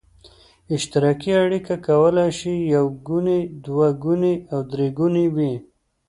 اشتراکي اړیکه کولای شي یو ګونې، دوه ګونې او درې ګونې وي.